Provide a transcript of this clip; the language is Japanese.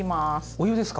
お湯ですか？